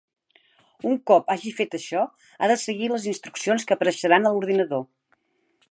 Un cop hagi fet això ha de seguir les instruccions que apareixeran a l'ordinador.